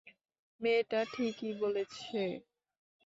মেয়েটা ঠিকই বলেছে।